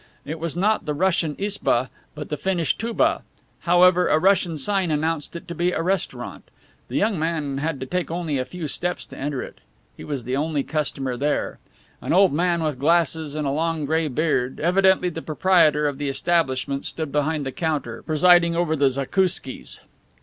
It was not the Russian isba, but the Finnish touba. However, a Russian sign announced it to be a restaurant. The young man had to take only a few steps to enter it. He was the only customer there. An old man, with glasses and a long gray beard, evidently the proprietor of the establishment, stood behind the counter, presiding over the zakouskis.